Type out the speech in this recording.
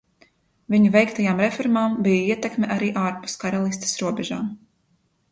Viņu veiktajām reformām bija ietekme arī ārpus karalistes robežām.